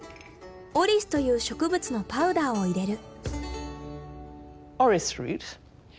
オリスという植物のパウダーを入れる。